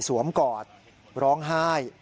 สวมกอดร้องไห้